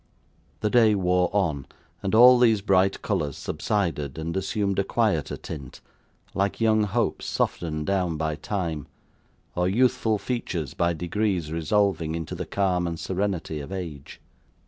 The day wore on, and all these bright colours subsided, and assumed a quieter tint, like young hopes softened down by time, or youthful features by degrees resolving into the calm and serenity of age.